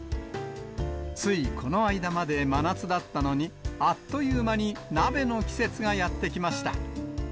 ついこの間まで真夏だったのに、あっという間に鍋の季節がやって来ました。